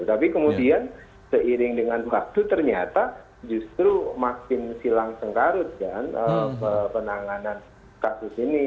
tapi kemudian seiring dengan waktu ternyata justru makin silang sengkarut kan penanganan kasus ini